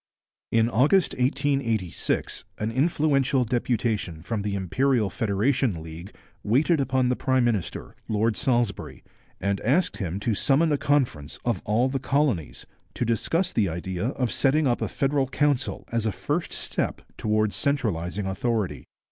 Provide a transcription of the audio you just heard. In August 1886 an influential deputation from the Imperial Federation League waited upon the prime minister, Lord Salisbury, and asked him to summon a conference of all the colonies to discuss the idea of setting up a federal council as a first step towards centralizing authority.